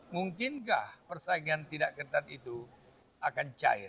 mungkinkah persaingan tidak ketat itu akan cair